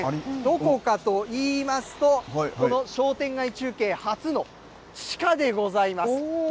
どこかと言いますとこの商店街中継初の地下でございます。